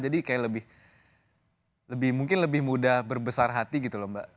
jadi kayak lebih mungkin lebih mudah berbesar hati gitu loh mbak